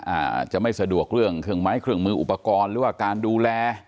อาจจะไม่สะดวกเรื่องเครื่องไม้เครื่องมืออุปกรณ์หรือว่าการดูแล